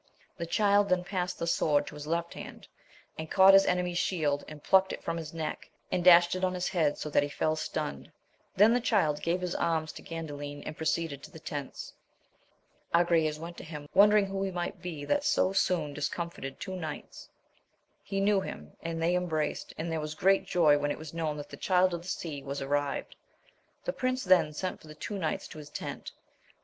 The Child then passed the sword to his left hand, and caught his enemy's shield, and plucked it from liis neck and dashed it on his head, VOL. I. ^ 50 AMADIS OF GAUL. so that he fell stunned. Then the Child gave his arms to Gandalin, and proceeded to the tents. Agrayes went to meet him, wondering who he might be that had so soon discomfited two knights, he knew him, and they embraced,,and there was great joy when it was known that the Child of the Sea was arrived. The prince then sent for the two knights to his tent.